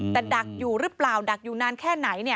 แต่ดักอยู่หรือเปล่าดักอยู่นานแค่ไหน